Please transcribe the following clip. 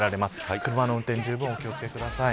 車の運転、じゅうぶんお気を付けください。